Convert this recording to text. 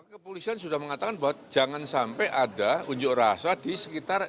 kepolisian sudah mengatakan bahwa jangan sampai ada unjuk rasa di sekitar